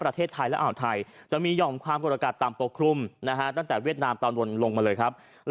แต่ยังหนีครับเพราะไม่ถ่วงมาหวัดมาหนีครับ